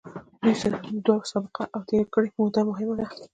دوی سابقه او تېره کړې موده مهمه ده.